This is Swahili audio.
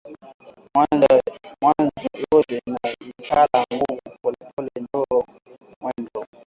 Mwanzo yote inaikalaka nguvu polepole njo mwendo